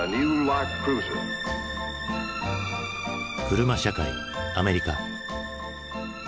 車社会アメリカ。